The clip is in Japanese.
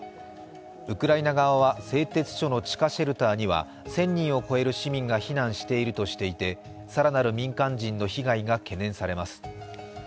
ウクライナ側は製鉄所の地下シェルターには１０００人を超える市民が避難しているとしていて更なる民間人の被害が懸念されます。